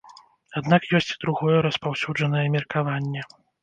Аднак ёсць і другое распаўсюджанае меркаванне.